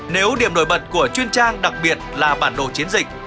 nếu điểm nổi bật của truyền trang đặc biệt là bản đồ chiến dịch